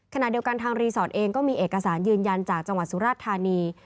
ขณะเดียวกันทางรีสอร์ทเองก็มีเอกสารยืนยันจากจังหวัดสุราชธานี